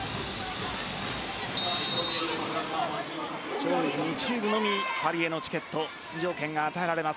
上位２チームのみパリへの出場権チケットが与えられます